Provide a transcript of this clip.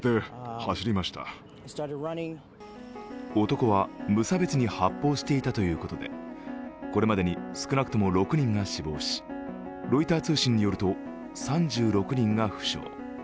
男は無差別に発砲していたということでこれまでに少なくとも６人が死亡しロイター通信によると３６人が負傷。